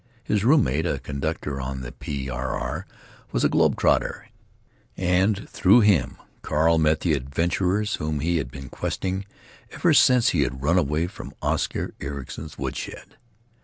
His room mate, a conductor on the P. R. R., was a globe trotter, and through him Carl met the Adventurers, whom he had been questing ever since he had run away from Oscar Ericson's woodshed.